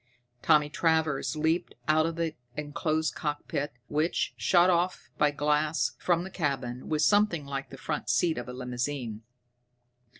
Tommy Travers leaped out of the enclosed cockpit, which, shut off by glass from the cabin, was something like the front seat of a limousine.